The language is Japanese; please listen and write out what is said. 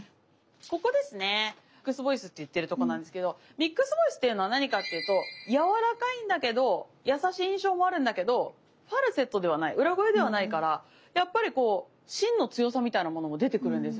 ここですねミックスボイスって言ってるとこなんですけどミックスボイスっていうのは何かっていうとやわらかいんだけど優しい印象もあるんだけどファルセットではない裏声ではないからやっぱりこうしんの強さみたいなものも出てくるんですよね。